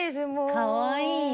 かわいいよ。